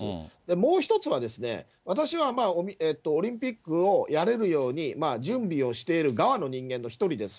もう一つは、私はオリンピックをやれるように、準備をしている側の人間の一人です。